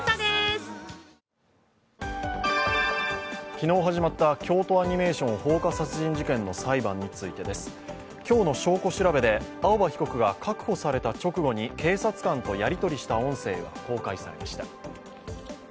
昨日、始まった京都アニメーション放火殺人事件の裁判についてです。今日の証拠調べで青葉被告が確保された直後に警察官とやり取りした音声が公開されました。